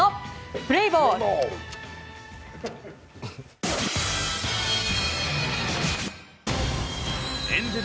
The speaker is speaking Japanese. プレーボール！